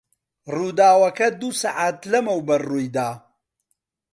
ڕووداوەکە دوو سەعات لەمەوبەر ڕووی دا.